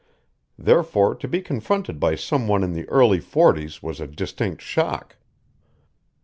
Therefore to be confronted by some one in the early forties was a distinct shock.